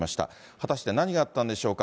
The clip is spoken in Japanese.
果たして何があったんでしょうか。